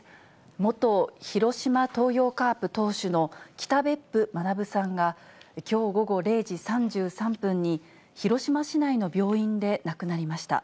元広島東洋カープ投手の北別府学さんがきょう午後０時３３分に、広島市内の病院で亡くなりました。